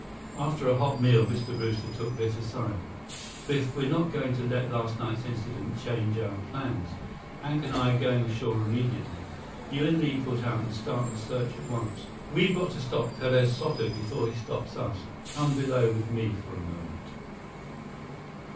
After a hot meal, Mr. Brewster took Biff aside. "Biff, we're not going to let last night's incident change our plans. Hank and I are going ashore immediately. You and Li put out and start the search at once. We've got to stop Perez Soto before he stops us. Come below with me for a moment."